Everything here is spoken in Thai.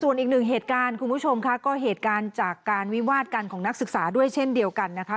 ส่วนอีกหนึ่งเหตุการณ์คุณผู้ชมค่ะก็เหตุการณ์จากการวิวาดกันของนักศึกษาด้วยเช่นเดียวกันนะคะ